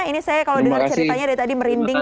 ini saya kalau dengar ceritanya dari tadi merinding